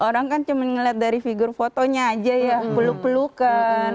saya juga mendingan lihat dari figur fotonya aja ya peluk pelukan